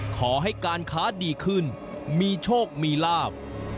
ขอให้การค้าดีขึ้นมีโชคมีลาบ